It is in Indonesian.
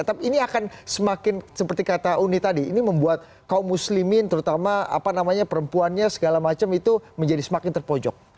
tapi ini akan semakin seperti kata uni tadi ini membuat kaum muslimin terutama apa namanya perempuannya segala macam itu menjadi semakin terpojok